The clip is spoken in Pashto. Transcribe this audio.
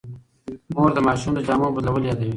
مور د ماشوم د جامو بدلول یادوي.